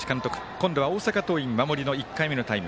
今度は大阪桐蔭守りの１回目のタイム。